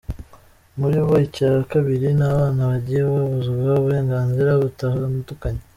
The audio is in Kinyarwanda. Muri bo icya kabiri ni abana bagiye babuzwa uburenganzira butandukanye.